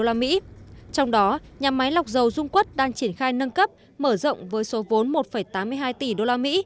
trong đó nhà máy lọc dầu dung quất đang triển khai nâng cấp mở rộng với số vốn một tám mươi hai tỷ usd